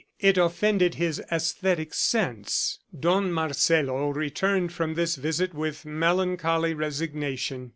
It offended his aesthetic sense. Don Marcelo returned from this visit with melancholy resignation.